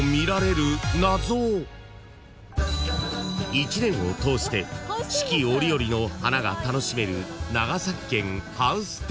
［１年を通して四季折々の花が楽しめる］